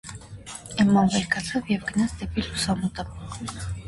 Էմման վեր կացավ և գնաց դեպի լուսամուտը: